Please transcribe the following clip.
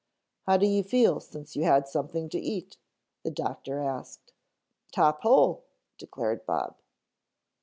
How do you feel since you had something to eat?" The doctor asked. "Top hole," declared Bob.